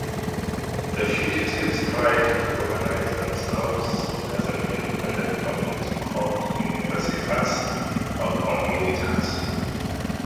The fugitives tried to organise themselves as an independent community called "universitas" or "communitas".